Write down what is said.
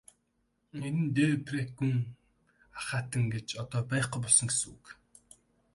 Энэ нь де Пейрак гүн ахайтан гэж одоо байхгүй болсон гэсэн үг.